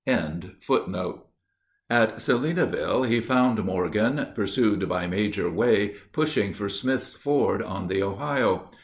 ] At Salineville he found Morgan, pursued by Major Way, pushing for Smith's Ford on the Ohio.